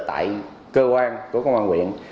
tại cơ quan của công an huyện